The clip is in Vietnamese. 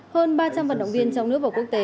hơn ba trăm linh vận động viên trong nước và quốc tế